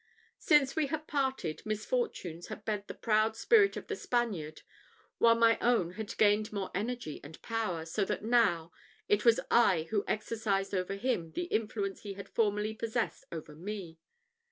Since we had parted, misfortunes had bent the proud spirit of the Spaniard, while my own had gained more energy and power; so that now, it was I who exercised over him the influence he had formerly possessed over me.